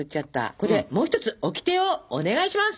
ここでもう一つオキテをお願いします！